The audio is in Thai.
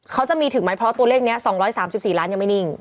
เขาจะมีถึงไหมเพราะตัวเลขนี้๒๓๔ล้านยังไม่นิ่ง